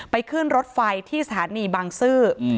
ขึ้นรถไฟที่สถานีบางซื่อ